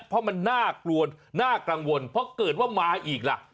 เพราะมันน่ากลัวน่ากังวลเพราะเกิดว่ามาอีกล่ะ